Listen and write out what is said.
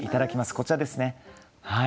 こちらですねはい。